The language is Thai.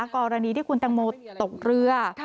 กรณีที่คุณตังโมตกเรือ